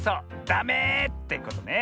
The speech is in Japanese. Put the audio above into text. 「ダメ！」ってことね。